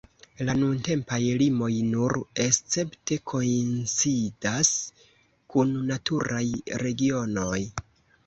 La nuntempaj limoj nur escepte koincidas kun naturaj regionoj.